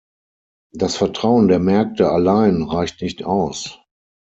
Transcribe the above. Das Vertrauen der Märkte allein reicht nicht aus.